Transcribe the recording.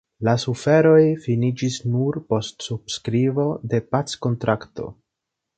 La suferoj finiĝis nur post subskribo de packontrakto.